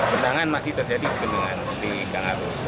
tentangan masih terjadi di kandungan di kangarus